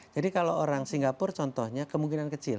jadi kalau orang singapura contohnya kemungkinan kecil